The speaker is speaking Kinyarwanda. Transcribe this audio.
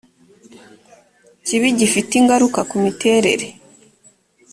kibi gifite ingaruka ku miterere